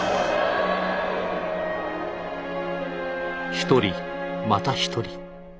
一人また一人。